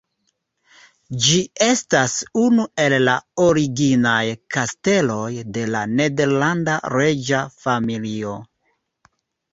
Ĝi estas unu el la originaj kasteloj de la nederlanda reĝa familio.